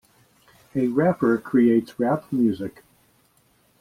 A rapper creates rap music.